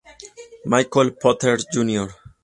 Michael Porter Jr.